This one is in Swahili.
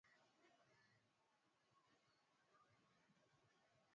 Wazee hao wamekubaliana hayo wakati wa mafunzo ya siku moja